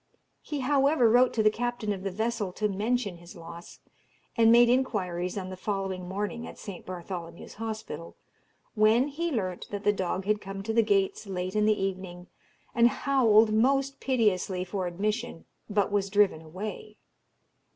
He however wrote to the captain of the vessel to mention his loss, and made inquiries on the following morning at St. Bartholomew's Hospital, when he learnt that the dog had come to the gates late in the evening, and howled most piteously for admission, but was driven away.